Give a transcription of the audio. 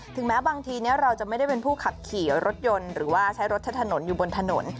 แม้บางทีเราจะไม่ได้เป็นผู้ขับขี่รถยนต์หรือว่าใช้รถใช้ถนนอยู่บนถนน